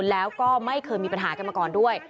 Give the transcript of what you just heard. แล้วก็ไม่เคยมีปัญหากันมาก่อนด้วย